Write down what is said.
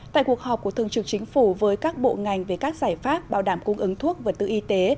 tại cuộc họp của thương trực chính phủ với các bộ ngành về các giải pháp bảo đảm cung ứng thuốc và tư y tế